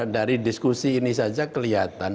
dari diskusi ini saja kelihatan